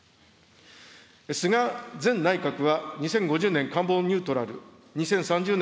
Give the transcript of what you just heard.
菅前内閣は２０５０年カーボンニュートラル、２０３０年